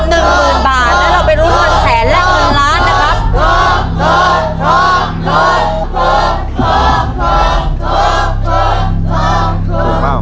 ๑นึงบาทและเราเป็นรถมาดแสนแหละ๑ล้านนะครับ